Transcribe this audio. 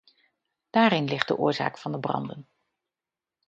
Daarin ligt de oorzaak van de branden.